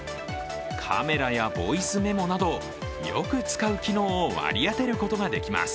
カメラやボイスメモなどよく使う機能を割り当てることができます。